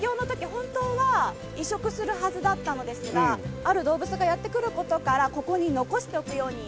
本当は移植するはずだったのですがある動物がやって来る事からここに残しておくように決めた。